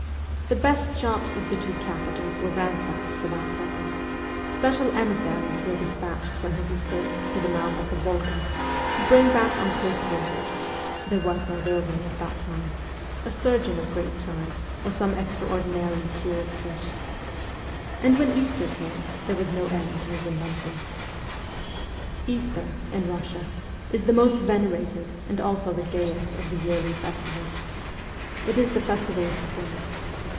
The best shops of the two capitals were ransacked for that purpose ; special emissaries were dispatched from his estate to the mouth of the V61ga, to bring back on post horses (there was no rail way at that time) a sturgeon of great size or some ex traordinarily cured fish. And when Easter came, there was no end to his inventions. Easter, in Russia, is the most venerated and also the gayest of the yearly festivals. It is the festival of spring.